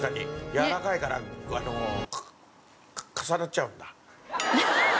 やわらかいからぐっかっ重なっちゃうんだ？